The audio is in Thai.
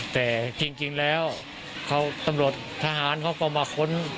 แต่จริงแล้วตำรวจทหารเขาก็มาค้น